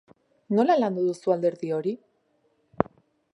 Nola landu duzu alderdi hori?